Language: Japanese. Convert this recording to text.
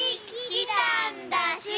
「来たんだし」